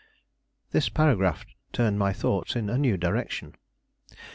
This paragraph turned my thoughts in a new direction.